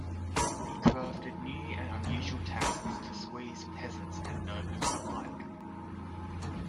He crafted new and unusual taxes to squeeze peasants and nobles alike.